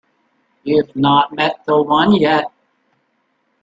You’ve not met the one yet.